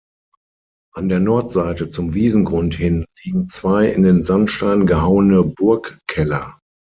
An der Nordseite zum Wiesengrund hin liegen zwei in den Sandstein gehauene Burgkeller.